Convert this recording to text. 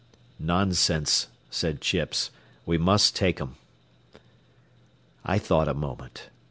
"Nonsense," said Chips. "We must take 'em." I thought a moment.